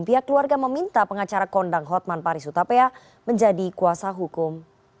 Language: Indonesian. pihak keluarga meminta pengacara kondang hotman paris utapia menjadi kuasa hukum